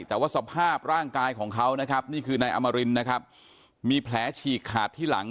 แต่ว่าสภาพร่างกายของเขานี่คือนายอำมารินมีแผลฉีกขาดที่หลัง